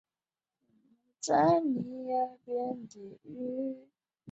泡眼蝶属是蛱蝶科眼蝶亚科络眼蝶族中的一个属。